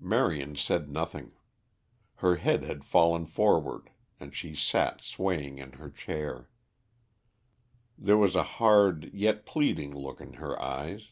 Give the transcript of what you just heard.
Marion said nothing. Her head had fallen forward and she sat swaying in her chair. There was a hard yet pleading look in her eyes.